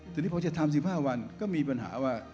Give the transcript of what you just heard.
ทีนี้พอจะทำ๑๕วันก็มีปัญหาว่า